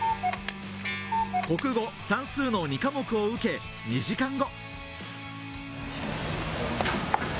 国語、算数の２科目を受け、２時間後。